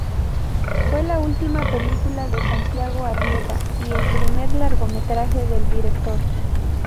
Fue la última película de Santiago Arrieta y el primer largometraje del director.